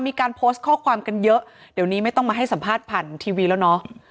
มีการโพสต์ข้อความกันเยอะเดี๋ยวนี้ไม่ต้องมาให้สัมภาษณ์ผ่านทีวีแล้วเนาะ